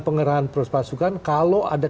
pengerahan proses pasukan kalau ada